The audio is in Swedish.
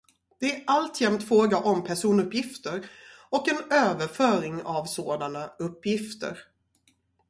Det är alltjämt fråga om personuppgifter och en överföring av sådana uppgifter.